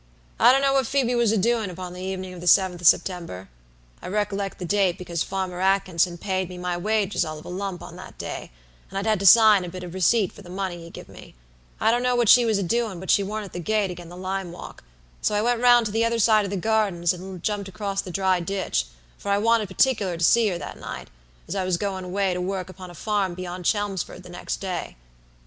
"I don't know what Phoebe was a doin' upon the evenin' of the seventh o' SeptemberI rek'lect the date because Farmer Atkinson paid me my wages all of a lump on that day, and I'd had to sign a bit of a receipt for the money he give meI don't know what she was a doin', but she warn't at the gate agen the lime walk, so I went round to the other side o' the gardens and jumped across the dry ditch, for I wanted partic'ler to see her that night, as I was goin' away to work upon a farm beyond Chelmsford the next day.